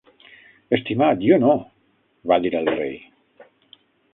"Estimat jo, no!", va dir el rei.